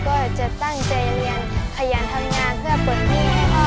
โปรดติดตามตอนต่อไป